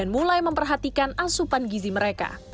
mulai memperhatikan asupan gizi mereka